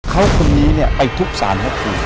เขาคนนี้ไปทุบศาลย์แห๊ะครู